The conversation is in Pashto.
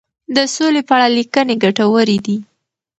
د سولي په اړه لیکنې ګټورې دي.